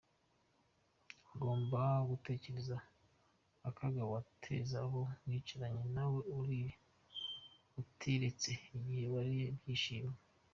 Ugomba gutekereza akaga wateza abo mwicaranye nawe utiretse igihe wariye ibishyimbo.